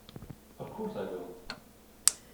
Of course I will!